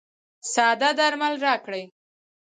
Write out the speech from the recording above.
ساده درمل راکړئ.